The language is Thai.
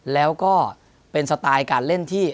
แล้วก็เป็นสไตล์การเล่นที่